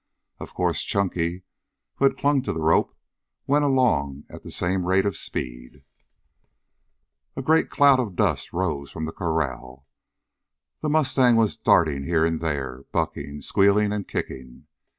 Of course Chunky, who had clung to the rope, went along at the same rate of speed. A great cloud of dust rose from the corral. The mustang was darting here and there, bucking, squealing and kicking.